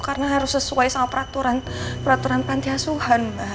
karena harus sesuai sama peraturan pantiasuhan mbak